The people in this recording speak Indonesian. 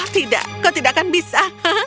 tidak kau tidak akan bisa